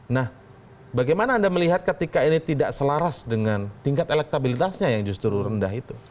nah bagaimana anda melihat ketika ini tidak selaras dengan tingkat elektabilitasnya yang justru rendah itu